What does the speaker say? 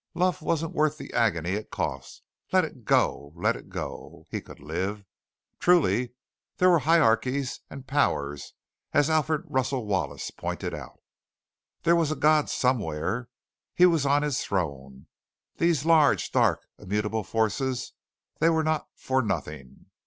Love wasn't worth the agony it cost. Let it go. Let it go. He could live. Truly there were hierarchies and powers, as Alfred Russel Wallace pointed out. There was a God somewhere. He was on His throne. These large, dark, immutable forces, they were not for nothing.